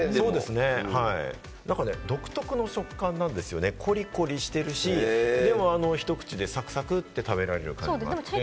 独特の食感なんですよね、コリコリしてるし、ひと口でサクサクって食べられる感じで。